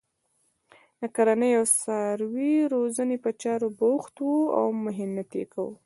د کرنې او څاروي روزنې په چارو بوخت وو او محنت یې کاوه.